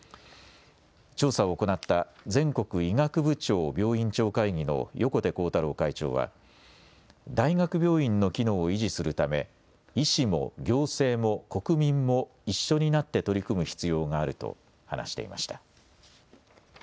調査を行った全国医学部長病院長会議の横手幸太郎会長は大学病院の機能を維持するため医師も行政も国民も一緒になって取り組む必要があると話していました。